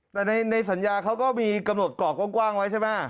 แต่ในสัญญาเขาก็มีกำหนดกรอบกว้างไว้ใช่ไหม